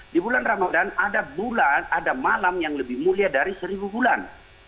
di bulan ramadan ada bulan ada malam yang lebih mulia dari seribu bulan